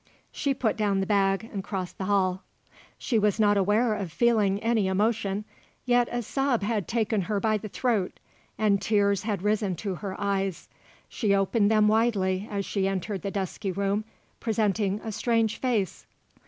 She put down the bag and crossed the hall. She was not aware of feeling any emotion; yet a sob had taken her by the throat and tears had risen to her eyes; she opened them widely as she entered the dusky room, presenting a strange face.